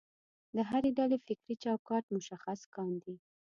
د هرې ډلې فکري چوکاټ مشخص کاندي.